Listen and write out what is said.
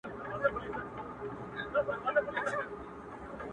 o د خپل ښايسته خيال پر زرينه پاڼه ـ